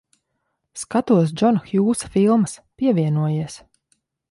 Skatos Džona Hjūsa filmas. Pievienojies.